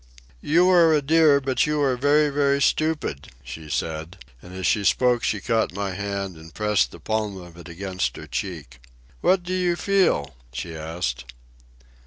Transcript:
"You are a dear, but you are very, very stupid," she said, and as she spoke she caught my hand and pressed the palm of it against her cheek. "What do you feel?" she asked.